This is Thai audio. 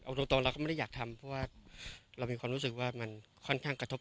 เอาตรงเราก็ไม่ได้อยากทำเพราะว่าเรามีความรู้สึกว่ามันค่อนข้างกระทบ